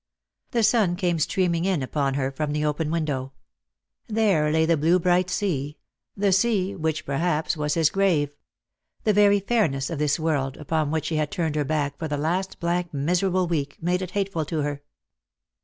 The sun came streaming in upon her from the open window ; there lay the blue bright sea — the sea which perhaps was his grave — the very fairness of this world, upon which she had turned her back for the last blank miserable week, made it hateful to her.